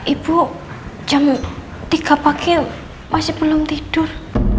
ibu jam tiga pagi masih belum tidur